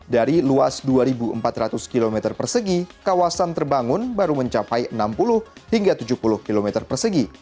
dari luas dua empat ratus km persegi kawasan terbangun baru mencapai enam puluh hingga tujuh puluh km persegi